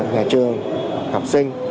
nhà trường học sinh